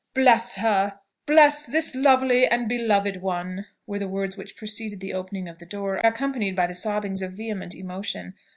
"Bless her! bless this lovely and beloved one!" were the words which preceded the opening of the door, accompanied by the sobbings of vehement emotion.